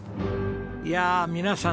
いや皆さん